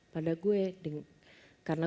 pada gue karena